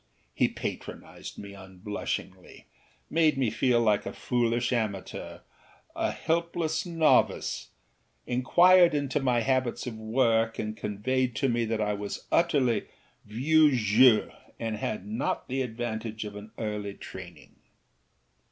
He patronised me unblushingly, made me feel like a foolish amateur, a helpless novice, inquired into my habits of work and conveyed to me that I was utterly vieux jeu and had not had the advantage of an early training.